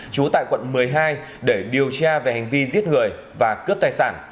trú tại quận một mươi hai để điều tra về hành vi giết người và cướp tài sản